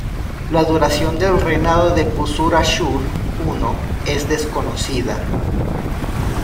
La duración del reinado de Puzur-Ashur I es desconocida.